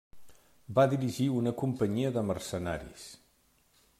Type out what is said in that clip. Va dirigir una companyia de mercenaris.